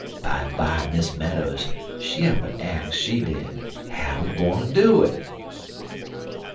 Bimeby, Miss Meadows, she up'n ax, she did, how he gwine do it.